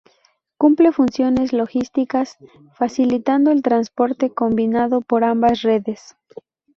Cumple funciones logísticas, facilitando el transporte combinado por ambas redes.